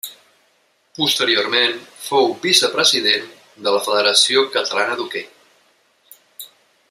Posteriorment fou vicepresident de la Federació Catalana d'Hoquei.